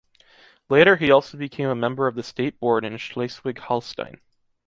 Later he also became a member of the state board in Schleswig-Holstein.